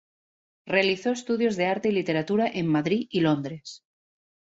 Realizó estudios de arte y literatura en Madrid y Londres.